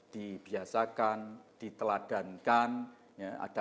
dibiasakan diteladankan ya ada